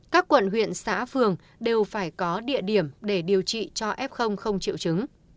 các quận huyện xã phường đều phải có địa điểm để điều trị cho f không triệu chứng